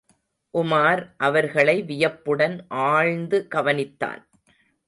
உமார் அவர்களை வியப்புடன் ஆழ்ந்து கவனித்தான்.